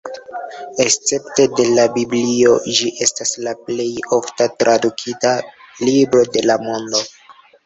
Escepte de la Biblio, ĝi estas la plej ofte tradukita libro de la mondo.